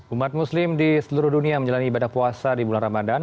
umat muslim di seluruh dunia menjalani ibadah puasa di bulan ramadan